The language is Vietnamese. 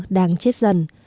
đáng chết dần